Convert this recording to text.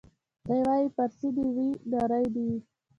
دی وايي پارسۍ دي وي نرۍ دي وي